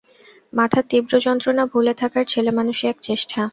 মাথার তীব্র যন্ত্রণা ভুলে থাকার ছেলেমানুষি এক চেষ্টা।